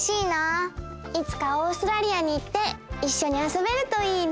いつかオーストラリアに行っていっしょにあそべるといいね。